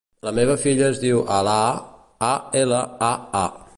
La meva filla es diu Alaa: a, ela, a, a.